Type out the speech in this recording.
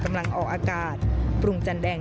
มีความรู้สึกว่า